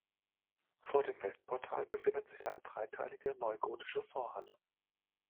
Vor dem Westportal befindet sich eine dreiteilige, neugotische Vorhalle.